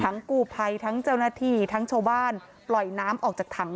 กู้ภัยทั้งเจ้าหน้าที่ทั้งชาวบ้านปล่อยน้ำออกจากถัง